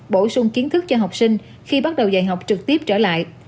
bổ sung kiến thức cho học sinh khi bắt đầu dạy học trực tiếp trở lại